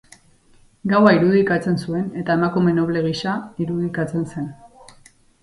Gaua irudikatzen zuen eta emakume noble gisa irudikatzen zen.